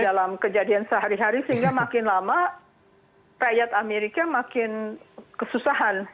dalam kejadian sehari hari sehingga makin lama rakyat amerika makin kesusahan